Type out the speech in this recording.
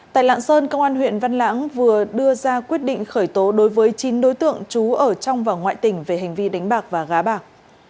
tại lạng sơn công an huyện văn lãng vừa đưa ra quyết định khởi tố đối với chín đối tượng trú ở trong và ngoài tỉnh về hành vi đánh bạc và gá bạc